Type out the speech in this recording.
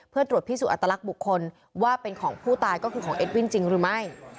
เพื่อตรวจพิสูจนอัตลักษณ์บุคคลว่าเป็นของผู้ตายก็คือของเอ็ดวินจริงหรือไม่